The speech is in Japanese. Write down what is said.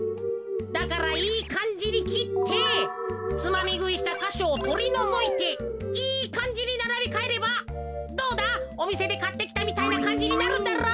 だからいいかんじにきってつまみぐいしたかしょをとりのぞいていいかんじにならびかえればどうだおみせでかってきたみたいなかんじになるだろ？